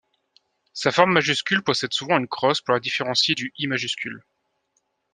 Sa forme majuscule possède souvent une crosse pour la différentier du I majuscule.